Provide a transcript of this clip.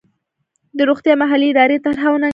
د روغتیا محلي ادارې طرحه وننګوله.